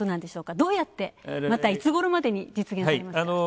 どうやって、またいつごろまでに実現されるんですか？